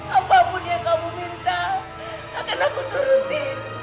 apapun yang kamu minta akan aku turuni